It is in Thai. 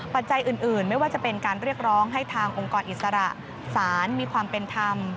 ปัจจัยอื่นไม่ว่าจะเป็นการเรียกร้องให้ทางองค์กรอิสระสารมีความเป็นธรรม